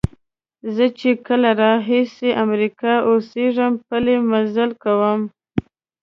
زه چې کله راهیسې امریکا کې اوسېږم پلی مزل کوم.